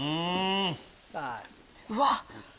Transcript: うわっ！